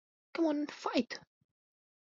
Come on and fight!